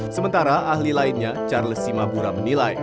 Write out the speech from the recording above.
sementara ahli lainnya charles simabura menilai